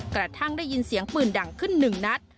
กระทั่งได้ยินเสียงปืนดังขึ้นหนึ่งนัด